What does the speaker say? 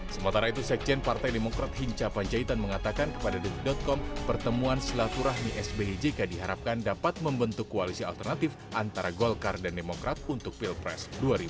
sementara itu sekjen partai demokrat hinca panjaitan mengatakan kepada dg com pertemuan selaturahmi sbyjk diharapkan dapat membentuk koalisi alternatif antara golkar dan demokrat untuk pilpres